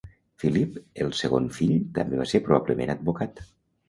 Philip, el segon fill, també va ser probablement advocat.